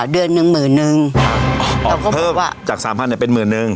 เดือนหนึ่งหมื่นนึง